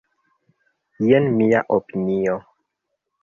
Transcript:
Jen mia opinio.